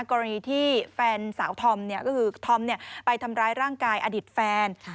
กรณีที่แฟนสาวธอมก็คือธอมไปทำร้ายร่างกายอดีตแฟน